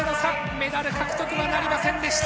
メダル獲得はなりませんでした。